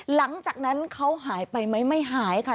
หลังจากนั้นเขาหายไปไหมไม่หายค่ะ